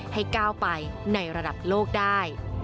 ให้ก้าวไปในระดับโลกได้